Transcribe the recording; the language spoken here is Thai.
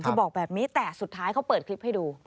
บอกแบบนี้แต่สุดท้ายเขาเปิดคลิปให้ดู